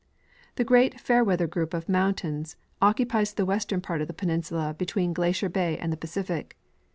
The great Fairweather group of mountains occupies the western part of the peninsula between Glacier bay and the Pacific.